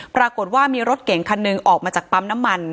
ปรากฏว่ามีรถเก่งคันหนึ่งออกมาจากปั๊มน้ำมัน